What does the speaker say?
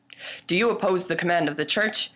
" Do you oppose the command of the Church ?